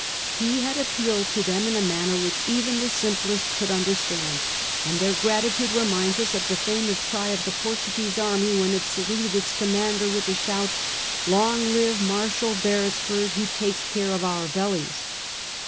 He had appealed to them in a manner which even the simplest could understand, and their gratitude reminds us of the famous cry of the Portuguese army when it saluted its commander with the shout, Long live Mar hal Beresford, who takes care of our bellies."